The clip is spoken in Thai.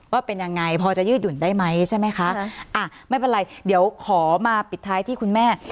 ว่าเป็นยังไงพอจะยืดหยุ่นได้ไหมใช่ไหมคะอ่ะไม่เป็นไรเดี๋ยวขอมาปิดท้ายที่คุณแม่